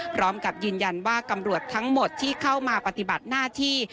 พร้อมกับยืนยันว่าตำรวจทั้งหมดที่เข้ามาปฏิบัติหน้าที่